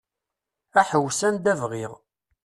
Aḥewwes anda bɣiɣ.